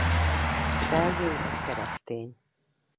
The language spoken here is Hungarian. Sterling egy keresztény.